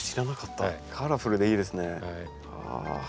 カラフルでいいですね。